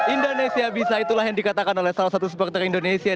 indonesia bisa itulah yang dikatakan oleh salah satu supporter indonesia